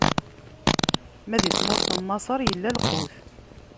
Ma di tmurt n Maṣer, illa lqut.